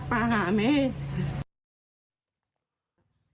พบปรักษาให้ลูกปลอดภัยกับป่าหาแม่